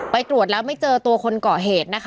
ตรวจแล้วไม่เจอตัวคนเกาะเหตุนะคะ